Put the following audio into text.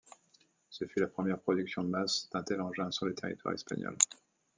Ce fut la première production de masse d'un tel engin sur le territoire espagnol.